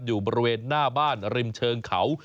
อยู่บริเวณหน้าบ้านริมเชิงเขา